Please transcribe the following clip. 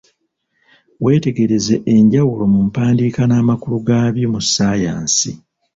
Wetegereze enjawulo mu mpandiika n'amakulu gabyo mu ssayansi